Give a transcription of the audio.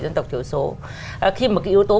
dân tộc thiếu số khi mà cái yếu tố